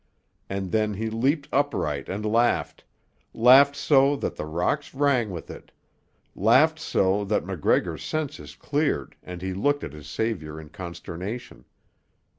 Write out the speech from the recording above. And then he leaped upright and laughed, laughed so that the rocks rang with it, laughed so that MacGregor's senses cleared and he looked at his saviour in consternation.